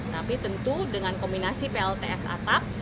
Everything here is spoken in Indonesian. tapi tentu dengan kombinasi plts atap